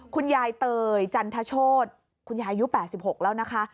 คุณยายเตยจันทชคุณยายู๘๖แล้วนะคะ